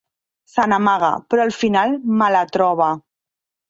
Se n'amaga, però al final me la trobe.